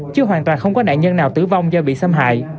chứ hoàn toàn không có nạn nhân nào tử vong do bị xâm hại